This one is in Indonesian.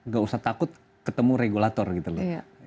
gak usah takut ketemu regulator gitu loh